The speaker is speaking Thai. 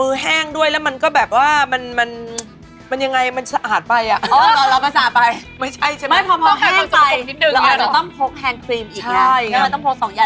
แห้งด้วยแล้วมันก็แบบว่ามันยังไงมันสะอาดไปอ่ะ